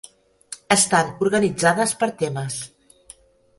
Estan organitzades per temes.